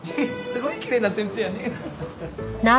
すごいきれいな先生やね。